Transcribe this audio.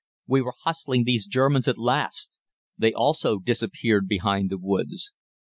We were hustling these Germans at last. They also disappeared behind the woods.